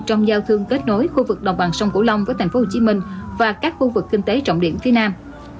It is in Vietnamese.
trong giao thương kết nối khu vực đồng bằng sông cổ long với tp hcm và các khu vực kinh tế trọng điểm phía nam